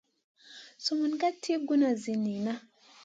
Sumun ka tèw kuna zi niyna.